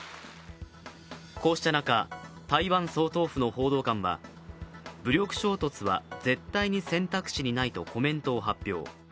こうした中、台湾総統府の報道官は武力衝突は絶対に選択肢にないとコメントを発表。